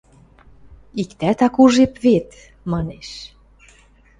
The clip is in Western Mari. Иктӓт ак ужеп вет, – манеш.